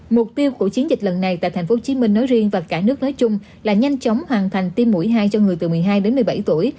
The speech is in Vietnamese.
mục tiêu của chiến dịch lần này tại tp hcm nói riêng và cả nước nói chung là nhanh chóng hoàn thành tiêm mũi hai cho người từ một mươi hai đến một mươi bảy tuổi